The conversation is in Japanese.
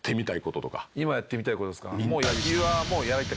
今やってみたい事ですか？